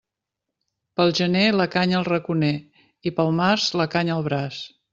Pel gener la canya al raconer i pel març la canya al braç.